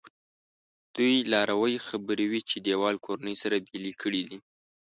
دوی لاروی خبروي چې دیوال کورنۍ سره بېلې کړي دي.